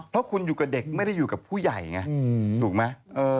เพราะคุณอยู่กับเด็กไม่ได้อยู่กับผู้ใหญ่ไงถูกไหม